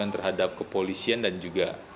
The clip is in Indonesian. terhadap kepolisian dan juga